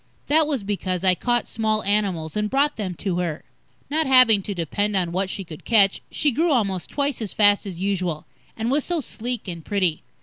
That was because I caught small animals and brought them to her. Not having to depend on what she could catch, she grew almost twice as fast as usual, and was so sleek and pretty.